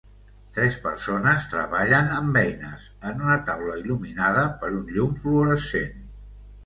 Tres persones treballen amb eines en una taula il·luminada per un llum fluorescent.